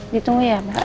ditunggu ya mbak